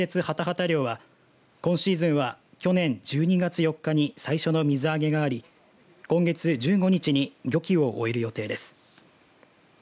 ハタハタ漁は今シーズンは去年１２月４日に最初の水揚げがあり今月１５日に漁期を終える予定です。